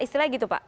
istilahnya gitu pak